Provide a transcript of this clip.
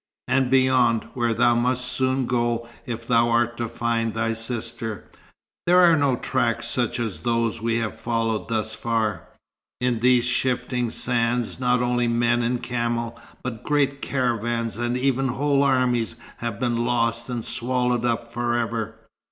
And beyond, where thou must soon go if thou art to find thy sister, there are no tracks such as those we have followed thus far. In these shifting sands, not only men and camels, but great caravans, and even whole armies have been lost and swallowed up for ever.